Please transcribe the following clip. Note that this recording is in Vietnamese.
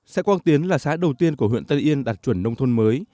xã quang tiến là xã đầu tiên của huyện tân yên đạt chuẩn nông thôn mới